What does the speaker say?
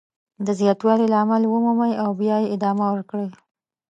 د زیاتوالي لامل ومومئ او بیا یې ادامه ورکړئ.